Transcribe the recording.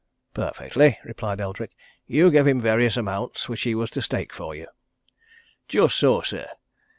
"Perfectly," replied Eldrick. "You gave him various amounts which he was to stake for you." "Just so, sir!